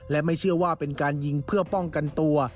และไม่เชื่อว่าเป็นการยิงเพื่อป้องกันตัว